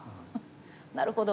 なるほど。